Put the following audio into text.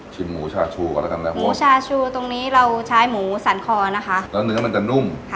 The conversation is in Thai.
หมูชาชูก่อนแล้วกันนะครับหมูชาชูตรงนี้เราใช้หมูสันคอนะคะแล้วเนื้อมันจะนุ่ม